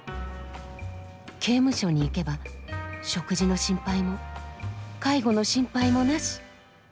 刑務所に行けば食事の心配も介護の心配もなし！